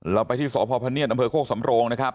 เราไปที่สพเนียดดโคกสำโรงนะครับ